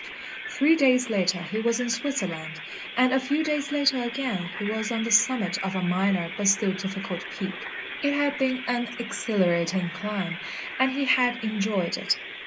Three days later he was in Switzerland, and a few days later again he was on the summit of a minor but still difficult peak. It had been an exhilarating climb, and he had enjoyed it.